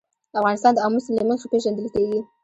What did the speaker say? افغانستان د آمو سیند له مخې ښه پېژندل کېږي.